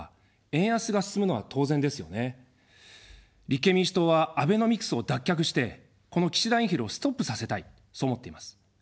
立憲民主党はアベノミクスを脱却して、この岸田インフレをストップさせたい、そう思っています。